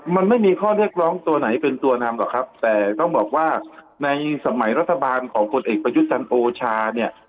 มันไม่มีข้อเรียกร้องตัวไหนเป็นตัวนำหรอกครับแต่ต้องบอกว่าในสมัยรัฐบาลของคนเอกประยุทธ์จันทร์โอชาเนี่ย